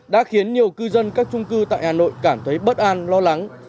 đã khiến nhiều cư dân các trung cư tại hà nội cảm thấy bất an lo lắng